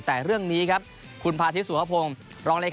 แต่เรื่องนี้ครับคุณพาธิสุภพงศ์รองเลข